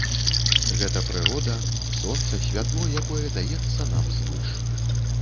Гэта прырода, сонца, святло, якое даецца нам звыш.